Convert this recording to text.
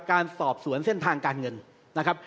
การสอบสวนเส้นทางการเงินนะครับ